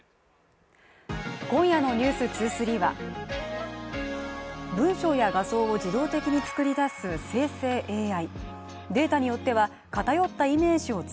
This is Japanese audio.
今夜の「ｎｅｗｓ２３」は文章や画像を自動的に作り出す生成ＡＩ